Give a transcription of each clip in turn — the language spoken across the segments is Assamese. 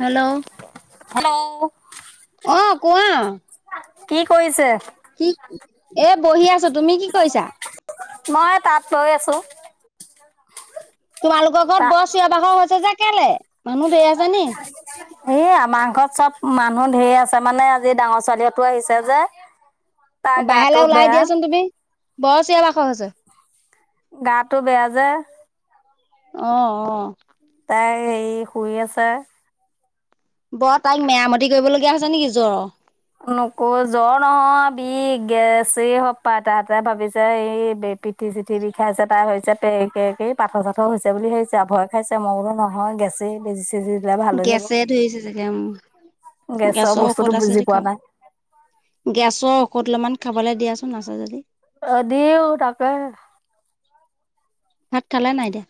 হেল্ল', হেল্ল' অ' কোৱা? কি কৰিছে? কি এ বহি আছো। তুমি কি কৰিছা? মই তাত বৈ আছো। তোমালোকৰ ঘৰত তা বৰ চিঞ বাখৰ হৈছে যে কেলে মানুহ ধেই আছে নি? এই আমাৰ ঘৰত চব মানুহ ধেই আছে মানে আজি ডাঙৰ ছোৱালীতো আহিছে যে। তাৰ গাটো বাহেলৈ ওলাই বেয়া, দিয়াচোন তুমি বৰ চিয়ৰ বাখৰ হৈছে। গাটো বেয়া যে। অ-অ, তাই হে শুই আছে। বৰ তাইক মেৰামতি কৰিব লগগীয়া হৈছে নেকি জ্বৰৰ। নকো জ্বৰ নহয় বি গেছ এই সপ্তাহ তাহতে ভাবিছে এই, পিঠি-চিঠি বিখাইছে তাৰ হৈছে তে কে পাৰ চাথৰ হৈছে বুলি ভাবিছে ভয় খাইছে মই বোলো নহয়। গেছে বেজি-চেজী গেছে ধৰিছে চাগে গেছৰ বস্তুটো ঔষদ আছে। বুজি পোৱা নাই। গেছৰ ঔষধ অলপমান খাবলে দিয়াচোন আছে যদি। অ দিওঁ তাকে। ভাত খালে নাই এতিয়া?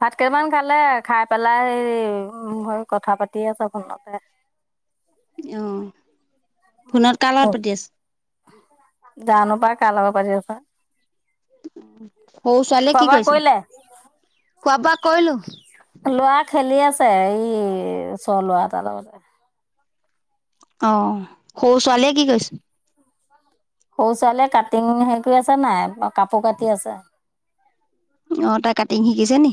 ভাত কেইটামান খালে, খাই পেলাই সেই হৈ কথা পাতি আছ ফোনতে। অহ, ফোনত কাৰ লগত পাতি আছে? জানো পায় কালাৰ লগত পাতি আছে। সৌ ছোৱালীয়ে খোৱা কি বোৱা কৈছে? কৰিলে? খোৱা-বোৱা কৰিলোঁ। লৰা খেলি আছে এই ওচ লৰা এটাৰ লগতে। অঁ সৰু ছোৱালীয়ে কি কৈছে? সৰু ছোৱালীয়ে কাটিং সেই কৰি আছে নাই কাপোৰ কাটি আছে। অ তাই কাটিং শিকিছে নি?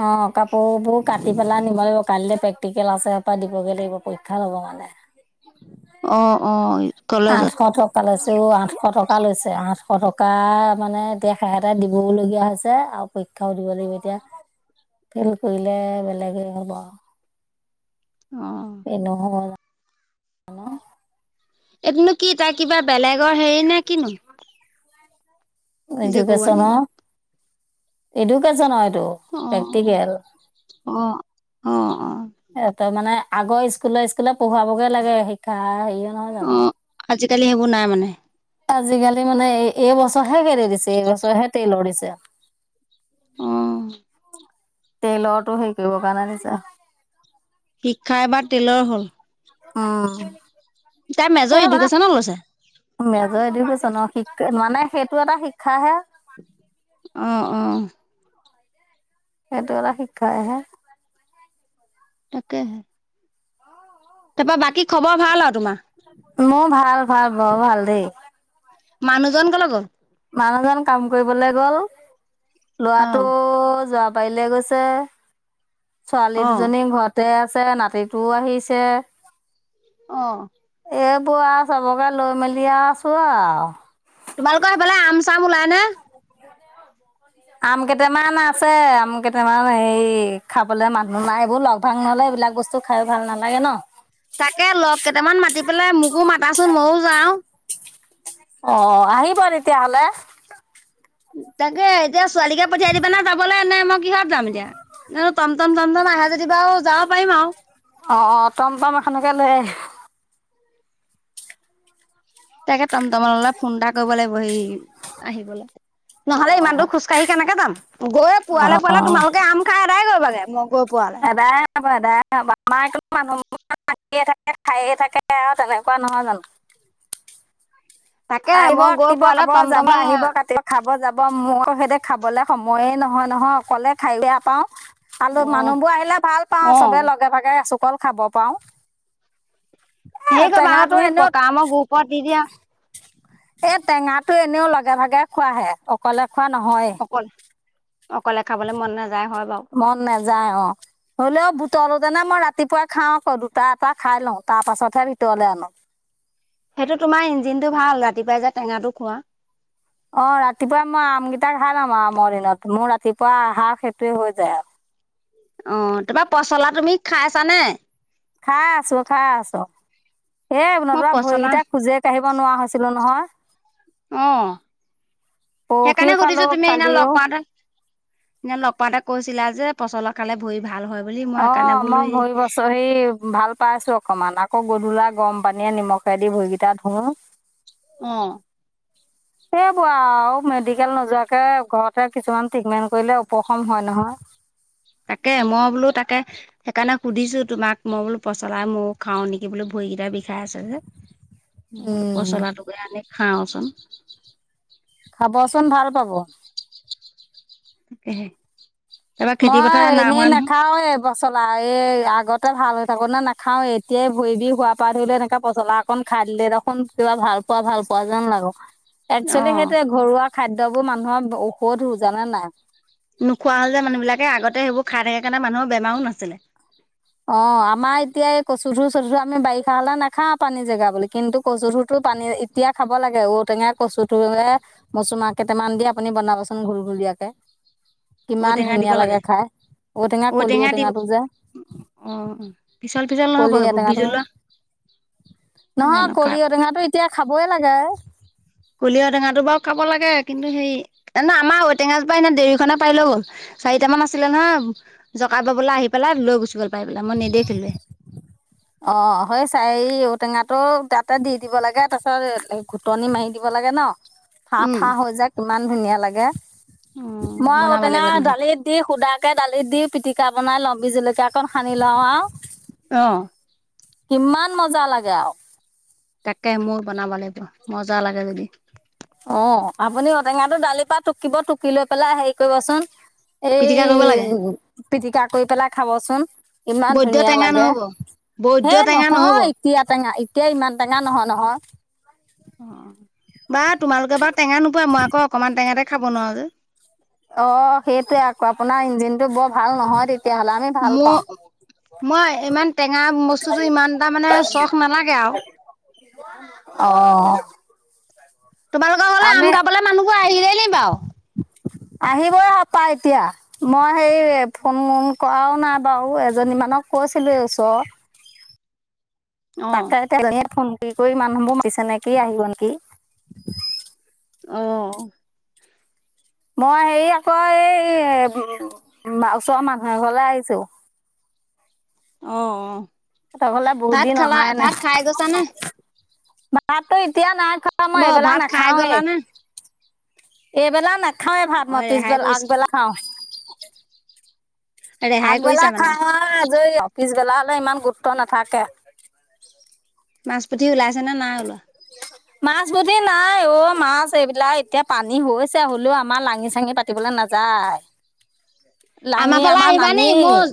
অঁ কাপোৰবোৰ কাটি পেলাই নিব [unintelligible] টিকেল আছে দিবগে লাগিব পৰীক্ষা ল'ব মানে। অঁ অঁ আঠশ টকা লৈছে অ' আঠশ টকা। টকা লৈছে আঠশ টকা, মানে এতিয়া সে এটা দিবওলগীয়া হৈছে আৰু পৰীক্ষাও দিব লাগিব এতিয়া। ফেল কৰিলে বেলেগে হ'ব আ অ [unintelligible] এইটোনো কি তাইৰ কিবা বেলেগৰ হেৰি নে কিনো? নিজে গৰু আনিলে এডুকেশচনৰ, এডুকেশচনৰ অ প্ৰেকটিকেল। অ অ অ ইয়াতে মানে আগৰ স্কুলে স্কুলে পঢ়োৱাবগে লাগে শিক্ষা হেৰিয় নহয় অ জানো আজিকালি সেইবোৰ নাই মানে? আজিকালি মানে এই এইবছৰহে [unintelligible] দিছে এইবছৰহে তেলৰ দিছে অহ তেলৰটো হেৰি কৰিবৰ কাৰণে দিছে। শিক্ষা এবা তেলৰ হ'ল। অঁহ, তাই মেজৰ সে মানে ইডুকেশ্যনত লৈছে মেজৰ এডুকেশনত শিক মানে সেইটো এটা শিক্ষাহে। অ অ সেইটো এটা শিক্ষাই হে। তাকেহে। তাৰ পা বাকী খবৰ ভাল আৰু তোমাৰ। মোৰ ভাল ভাল ব ভাল দেই। মানুহজন কলৈ গ'ল? মানুহজন কাম কৰিবলৈ গ'ল, অ লৰাটো যোৱা পাৰিলে গৈছে, ছোৱালী অ দুজনী ঘৰতে আছে আছে নাতিটো আহিছে। অ এইবোৰ আৰু চবকে লৈ মেলি আছো আও। তোমালোকৰ সেইফালে আম চাম ওলাই নে? আম কেইটামান আছে আম কেইটামান হেয়ি খাবলে মানুহ নাই, এইবোৰ লগ ধাং নহলে বিলাক বস্তু খাই ভাল নালাগে ন তাকে লগ কেইটামান মাতি পেলাই মোকো মাতাচোন মইও যাওঁ। অ আহিব তেতিয়াহ'লে তাকে এতিয়া ছোৱালীকে পঠিয়াই দিবা নে যাবলে নে? মই কিহত যাম এতিয়া, জানো টমটম মটম আহে যদি জিবা যাব পাৰিম আও। অ অ টমটম এখনকে লৈ আহিব তাকে টম টমলে ফোন এটা কৰিব লাগিব সি আহিবলে। অ নহলে ইমানটোো খোজকাঢ়ি কেনেকে যাম গৈে পোৱালে অ পোৱালে তোমালোকে আম খাই আদায় গৈ বাগে মোক গৈ পোৱালে এদাই আমাৰ একো মানুহ িয়ে থাকে খায়ে থাকে আৰু তেনেকুৱা নহয় জানো তাকে আহিব মই গৈ কাটিব পোৱালে কাব যাব টমটমে আহিব কতিিব খাব যাব াব মোৰ সিতে খাবলে সময়ে নহয় নহয় অকলে খাই বেয়া পাও আৰুল অ' মানুহবোৰ আহিলে ভাল পাওঁ অ' চবে লগে ভাগে এচুকল খাব পাৰওঁ সেই কৰিববা আকৌ তুমি পকা আমৰ গুপৰত দি দিয়া এ টেঙাটো এনেও লগে ভাগে খোৱাহে অকলে খোৱা নহয় অকলে অকলে খাবলৈ মন নাযায় হয় বাৰু। মন নাযায় অ হ'লেও িতলোতেনে মই ৰাতিপুৱাই খাওঁ আকৌ দুটা এটা খাই লওঁ তাৰ পাছতহে ভিতৰলে আনো সেইটো তোমাৰ ইঞ্জিন টো ভাল ৰাতিপুৱাই যে টেঙাটো খোৱা অ ৰাতিপুৱা মই আম কেইটা খাই লাম আৰু আমৰ দিনত মোৰ ৰাতিপুৱা আহা খ েই হৈ যায় আৰু অ তোমাৰ পচলা তুমি খাইছানে খ আছো খা আছো এ মই নতৰা পচলা ভৰিকেইটা খোজে কাঢ়িব নোৱাৰা হৈছিলো নহয় আহ পৰহিও সেইকাৰণে খালোঁ সুধিছো তুমি সেইদিনা কালিও লগ পাতে সদিনা লগ পাতে কৈছ চিলা যে পচল কাৰালে ভৰি ভাল হয় বুলি মই অ সেইকাৰণে বোলো মই এই ভৰি বছৰ ভাল পাই আছো অকমান আ আকৌ গধূলা গৰম পানীয়ে নিমখেদি ভৰিকেইটা ধোওঁ উম সেই বোৱা আৰু মেডিকেল নোযোৱাকে ঘৰতে কিছুমান ট্ৰিটমেন্ট কৰিলে উপশম হয় নহয় তাকে মই বোলো তাকে সেইকাৰণে সুধিছো তোমাক মই বোলো পচলাই ময় খাওঁ নেকি বো ভ কৰা বি খাই আছ যে ল উম, পচলা োকে আনি খাওচোন খাবচোন ভাল পাব াক মই এনেই নাখাওৱে বচলা এই আগতে ভাল হৈ থাকো নে নাখাও এতিয়াই ভৰিবিখ হোৱা পা ধৰিলে এনেকে পচলা অকন খাই দিলে দেখোন খোন কিবা ভাল পোৱা ভাল পোৱা যেন লাগো একচোৱেলি অ', সেইটো ঘৰুৱা খাদোবোৰ মানুহৰ ঔষধ শো জানে নাই নোখোৱা হল যে মানুহবিলাকে আগতে সেইবোৰ খাই থাকে কাৰণে মানুহৰ বেমাৰো নাছিলে [inaudible] অ আমাৰ এতিয়া ক চুধুৰ চধুৰু আমি বাৰিষা হ'লে নাখা পানী জেগা বুলি কিন্তু কচু ধুৰতো পানী এতিয়া খাব লাগে ঔ টেঙা কচুটোয়ে মচুমা কেইটামান দি আপুনি বনাবচোন ঘূুৰ ঘূৰিয়াকে [unintelligible] কিমান ঔটেঙা দিব ধুনীয়া লাগে খাই ঔটেঙা কলি ঔটেঙাটো যে [inaudible] অ পিচাল পিছাল নহ'ব কলি সেইবোৰ ঔটেঙাটো বিজলোৱা নহয় কলি ঔ টেঙাটো এতিয়া খাবই লাগে কলিয়হৰ টেঙাটো বাৰু খাব লাগে কিন্তু হেৰি এ আমাৰ ঔটেঙাপ পৰা এ দেৰীখনে পাৰি লৈ গ'ল চাৰিটা মান আছিলে নহয় জকাই বাবলৈ আহি পেলাই লৈ গুছি গল পাই পেলা মইন দেখিলে [inaudible] অ সেই হয় চা টেঙাটো তাতে দি দিব লাগে তাৰ পিছত ঘুটনি মাৰি দিব লাগে লাগে ন ফাঁ উম ফা হৈ যায় কিমান ধুনীয়া লাগে মই বনাব ঔটেঙা লাগিব তেনেহ'লে দালিত দি শুদ কে দালিত দি পিটিকা বনাই লওঁ বিজুলকীয়া অক সানি লওঁ আৰু অ কিমান মজা লাগে আৰু। তাকে মোৰ বনাব লাগিব মজা লাগে যদি। অ', আপুনি ঔটেঙাটো দালিৰ পৰা টুকিব টুকি লৈ পেলাই হেৰি কৰিবচোন এই পিটিকা কৰিব লাগে পিটিকা কৰি পেলাই খাবচোন। ইমান বৈদ্য ধুনীয়া টেঙা লাগে নহ'ব বৈদ্য হে টেঙা নহ'ব নহয় অ এতিয়া টেঙা এতিয়া ইমান টেঙা নহয় নহয়। বা তোমালোকে বাৰু টেঙা নোপোৱা মই আকৌ অকণমান টেঙাতে খাব নোৱাৰো যে। অ', সেইটোৱে আকৌ আপোনাৰ ইঞ্জিনটো বৰ ভাল নহয় তেতিয়াহলে আমি ভাল পাওঁ। মোৰ মই ইমান টেঙা বস্তুটো ইমান তটা মানে চখ নালাগে আৰু অ'। তোমালোকৰ ঘৰলে আম খাবলৈ মানুহবোৰ আহিলেই নি বাৰু। আহিবই হাপা এতিয়া মই সেই ফোন কৰাও নাই বাৰু এজনীমান আনক কৈছিলোঁ এইছো অ'। তাকে এতিয়াজন ফোন কৰি কৰি মানুহবোৰ মতিছে নে কি আহিব নেকি? অহ। মই হেৰি আকৌ এই ওচৰৰ মানুহ এঘৰলে আহিছো অ', অ', সিহঁতৰ ঘৰলে বহুত ভাত খালা ভাত খাই গৈছা নে? ভাততো এতিয়া নাই খোৱা ব মই এইবেলা ভাত খাই নাখাওৱে। গ'লা নে? এইবেলা নাখাওেই ভাত অ', মই ৰেহাই পিছবেলা কৰিছ আগবেলা খাওঁ। ৰেহাই আগবেলা কৰিছা খা মানে আজৰি আও, পিছবেলা ইমান গুৰুত্ব নাথাকে। মাছ, পুঠি ওলাইছে নে নাই ওলোৱা। মাছ বি নাই অ', মাছ এইবিলাক এতিয়া পানী হৈছে হ'লেও আমাৰ লাঙি চাঙি পাতিব কে নাযায়। [inaudible] লাঙি আমাৰ ফালে আহিবানি নানেই। মোৰ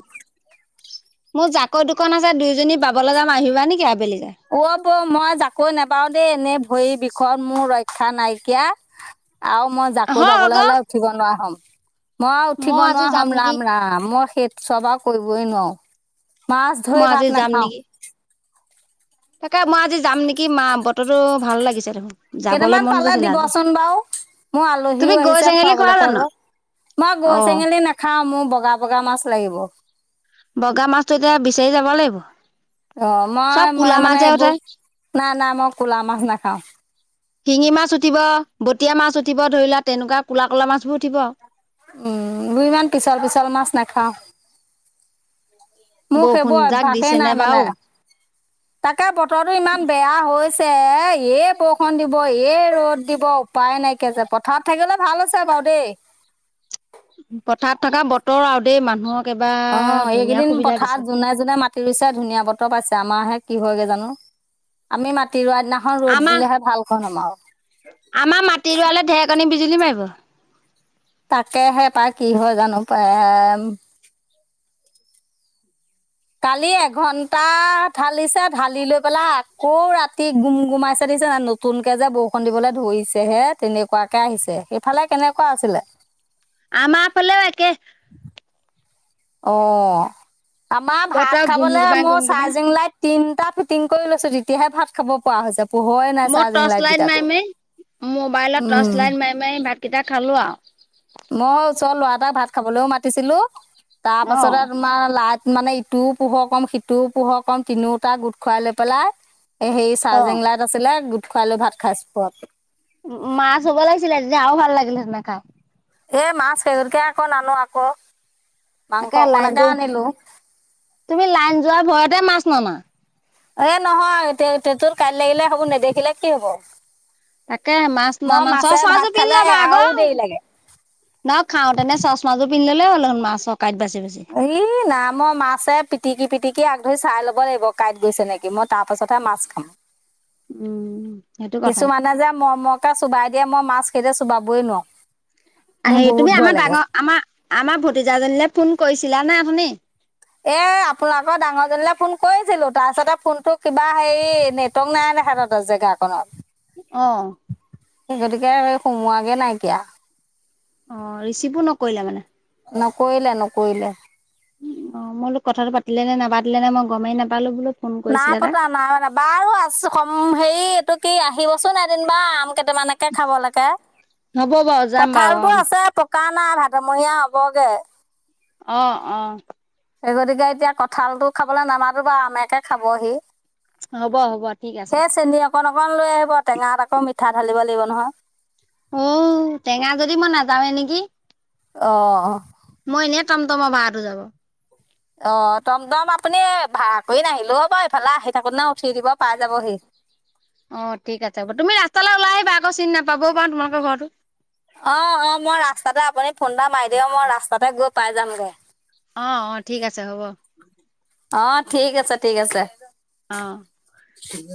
মোৰ জাকৈ দুখন আছে দুইজনী বাবলৈ যাম আহিবা নেকি আবেলি। অ', বৌ মই জাকৈ নাবাও দেই এনেই সেই বিষয়ত মোৰ ৰক্ষা নাইকিয়া আৰু মই জাকৈ হয় বাবলৈ আকৌ হলে উঠিব নোৱাৰা হ'ম। মই আৰু উঠিব আজি নোৱাৰা যাম হ'ম নেকি ৰাম ৰাম মই সেই চব আৰু কৰিবই নোৱাৰো। মাছ ধৰে মই ভাত আজি যাম নাখাওঁ। নেকি? তাকে মই আজি যাম নেকি? কি মা, বতৰো ভাল লাগিছে দেখোন, যাবলৈ কেইটামান মন পালে গৈছিলে আজি। দিবচোন বাৰু। মোৰ তুমি আলহীও গৰৈ আহিছে চেঙেলী খোৱা খুৱাবলৈকে জানো? আকৌ। মই গৰৈ, অ', চেঙেলী নাখাওঁ মোৰ বগা বগা মাছ লাগিব। বগা মাছতটো এতিয়া বিচাৰি যাব লাগিব। অ', চব মই ক'লা মাছ মানে যে উঠে। এইবোৰ নাই, নাই, মই ক'লা মাছ নাখাওঁ। শিঙি মাছ উঠিব, বটীয়া মাছ উঠিব, ধৰি লোৱা তেনেকুৱা ক'লা ক'লা মাছবোৰ উঠিব। উম, দুই ইমান পিছল পিছল মাছ নাখাওঁ। মোৰ বৰষুণ সেইবোৰ যাক অভ্যাসেই দিছেনে নাই, মানে, বাৰু তাকে বতৰটো ইমান বেয়া হৈ এই বৰষুণ দিব, এই ৰ'দ দিব, উপায় নাইকিয়া যে পথাৰত থাকিলে ভাল হৈছে বাৰ [unintelligible] পথাৰত থকা বতৰ আৰু দেই মানুহক অ', এবাৰ ধুনীয়া এইকেইদিন সুবিধা দিছে পথাৰত যোনে যোনে মাতি ৰুইছে, ধুনীয়া বতৰ পাইছে, আমাৰাহে কি হয়গৈ জানো? আমি মাটি ৰোৱা দিনাখন ৰ'দ আমাৰ দিলেহে ভাল পাম আৰু। আমাৰ মাটি ৰোৱালৈ ঢেৰেকণী বিজুলী মাৰিব। তাকেহে পাই, কি হয় জানো পাই? কালি এঘণ্টা ঢালিছে, ঢালি লৈ পেলাই, আকৌ ৰাতি গুম গুমাইছে দি নতুনকে যে বৰষুণ দিবলৈ ধৰিছেহে তেনেকুৱাকে আহিছে, সেইফালে কেনেকুৱা আছিলে? আমাৰ ফালেও একেই। অ', আমাৰ ভাত বতৰ গুম খাবলে গুমাই মোৰ গুম গুমাই চাৰ্জিং লাইট তিনটা ফিটিং কৰি লৈছো তেতিয়াহে ভাত খাব পোৱা হৈ যাব। মোৰ টৰ্চ লাইন মাৰি মাৰি, মোবাইলত উম টৰ্চ লাইন মাৰি মাৰি কেইটা খালোঁ আৰু। মই ওচৰৰ ল'ৰা এটাক ভাত খাবলৈও মাতিছিলো। তাৰ অ পাছতে তোমাৰ ল মানে, ইটোও পোহৰ কম, সিটোও পোহৰ কম, তিনিওটা গোট খোৱাই লৈ পেলাই এ সেই অ চাৰ্জিং লাইট আছিলে, গোট খুৱাই লৈ ভাত খাইছ [inaudible] মা চ'ব লাগিছিলে তেতিয়া ভাল লাগিলে [inaudible] এ, মাছ [inaudible] আকৌ ন নো আকৌ মাংস তে অকণকে লাইনটো, আনিলো তুমি লাইন যোৱা ভয়তে মাছ ননা। এ, নহয় [inaudible] লাগিলে হ'ব নেদেখিলে কি হব? তাকে মাছ মই নানা, মাছে ভাত চচমাযোৰ পিন্ধি খালে লবা আৰু আকৌ। দেৰি লাগে ন খাওতেনে চচমাজোৰ পিন্ধি ললে হ'ল [inaudible] বাচি ই নামৰ মাছে পিটিকি পিটিকি আগ ধৰি চাই ল'ব লাগিব, কাঁইট গৈছে নেকি। মই তাৰ পাছতহে মাছ খাম। উম সেইটো কথা কিছুমানে যে মৰমৰকে চোবাই দিয়ে মই মাছ কেইটা চোবাবই নোৱাৰোঁ। মোৰ হেৰি বহুত তুমি ভয় আমাৰ লাগে ডাঙৰ আমাৰ আমাৰ ভতিজাজনীলৈ ফোন কৰিছিলানে আপুনি? এ', আপোনোকৰ ডাঙৰজনীলৈ ফোন কৰিছিলো, তাৰপিছতে ফোনটো কিবা হেৰি নেটৱৰ্ক নাই। [inaudible] জেগাখনত অহ! গতিকে সোমোৱাগে নাইকিয়া। অ', ৰিচিভো নকৰিলে মানে? নকৰিলে, নকৰিলে। অ', মই বোলোঁ কথাটো পাতিলে নে নাপাতিলে নে মই গমেই নাপালোঁ বোলো। ফোন নাই কৰিছিলে তাই পতা, নাই পতা। বাৰু, আছ হেৰি। এইটো কি আহিবচোন এদিন বা কেইটামানকে খাবলোকে। হ'ব বাৰু যাম বাৰু অ কঠালতটো আছে পকা নাই ভাদমহীয়া হ'বগে। অ', অ' সেই গতিকে এতিয়া কঁঠালটো খাবলৈ নামাটো বাৰ, আমেকে খাবহি। হ'ব, হ'ব, ঠিক আছে। সেই চেনি অকণ অকণ লৈ আহিব টেঙাত আকৌ মিঠা ঢালিব লাগিব নহয় উ টেঙা যদি মই নাযাাৱে নেকি অ মই এনে তাম তোমাৰ ভাাটো যাব অ তম দটম আপুনি ভাড়া কৰি নাহিলো হ বাৰ ইফালে আহি থাকো ন উঠি দিব পাই যাবহি অ ঠিক আছে বাৰু তুমি ৰাস্তালৈ ওলাই আহিবা আকৌ চিনি নাপাবও পাৰো তোমালোকৰ ঘৰৰতটো অ অ মই ৰাস্তাতে আপুনি ফোন এটা মাৰি দেউ মই ৰাস্তাতে গৈ পাই যামগৈ অ অ ঠিক আছে হ'ব অ ঠিক আছে ঠিক আছে অ উ